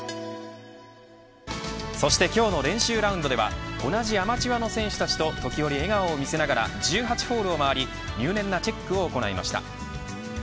そして今日の練習ラウンドでは同じアマチュアの選手たちと時折笑顔を見せながら１８ホールを回り入念なチェックを行いました。